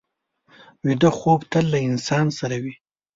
ویده خوب تل له انسان سره وي